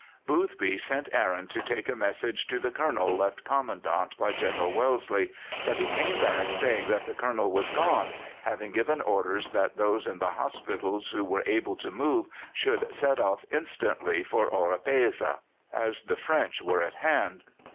Boothby sent Aaron to take a message to the Colonel left Commandant by General Wellesley, but he came back saying that the Colonel was gone, having given orders that those in the hospitals who were able to move should set off instantly for Oropesa, as the French were at hand.